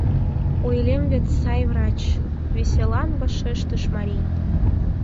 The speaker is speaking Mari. — Ойлем вет, сай врач! — веселан вашештыш марий.